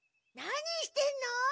何してんの？